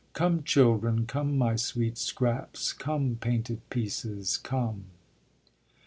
Come, children, Come, my sweet scraps; come, painted pieces; come.